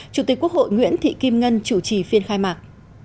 chủ tịch quốc hội nguyễn thị kim ngân chủ trì phiên khai mạc